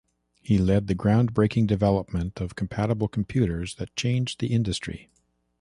He led the groundbreaking development of compatible computers that changed the industry.